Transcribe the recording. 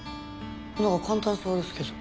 何か簡単そうですけど。